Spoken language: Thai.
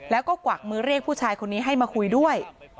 แล้วก็กวักมือเรียกผู้ชายคนนี้ให้มาคุยด้วย